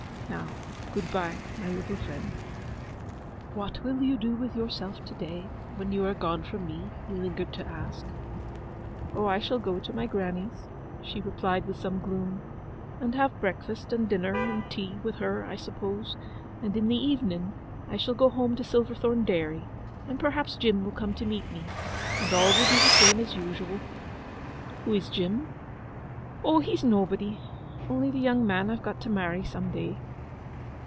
Now, good bye, my little friend.—What will you do with yourself to day, when you are gone from me?' he lingered to ask. 'Oh—I shall go to my granny's,' she replied with some gloom; 'and have breakfast, and dinner, and tea with her, I suppose; and in the evening I shall go home to Silverthorn Dairy, and perhaps Jim will come to meet me, and all will be the same as usual.' 'Who is Jim?' 'O, he's nobody—only the young man I've got to marry some day.